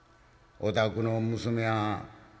お宅の娘はん